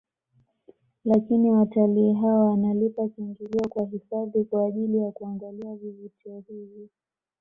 Lakini watalii hao wanalipa kiingilio kwa hifadhi kwa ajili ya kuangalia vivutio hivyo